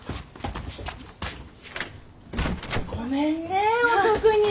ごめんね遅くに。